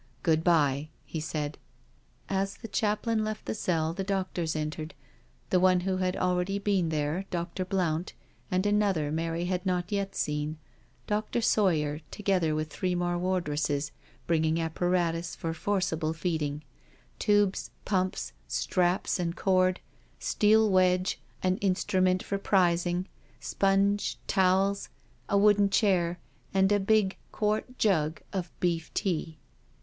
Good bye," he said. As the chaplain left the cell the doctors entered, the one who had already been there. Dr. Blount, and an other Mary had not yet seen— Dr. Sawyer, together with three more wardresses bringing apparatus for forcible feeding — tubes, pumps, straps and cord, steel wedge, an instrument for prising, sponge, towels^ a wooden chair, and a big quart jug of beef tea.